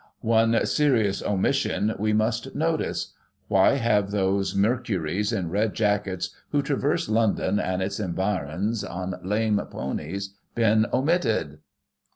One serious omission we must notice. Why have those Mercuries in red jackets, who traverse London and its environs on Icime ponies, been omitted